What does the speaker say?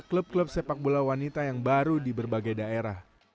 klub klub sepak bola wanita yang baru di berbagai daerah